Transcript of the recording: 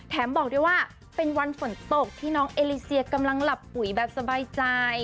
บอกด้วยว่าเป็นวันฝนตกที่น้องเอลิเซียกำลังหลับปุ๋ยแบบสบายใจ